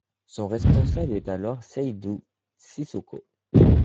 Son responsable est alors Seydou Cissokho.